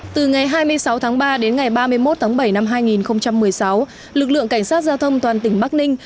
từ ngày hai mươi sáu tháng ba đến ngày ba mươi một tháng bảy năm hai nghìn một mươi sáu lực lượng cảnh sát giao thông toàn tỉnh bắc ninh